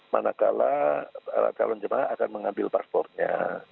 manakala calon jemaah akan mengambil paspornya